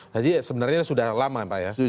jadi sebenarnya sudah lama ya pak ya